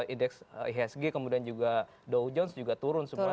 idex ihsg kemudian juga dow jones juga turun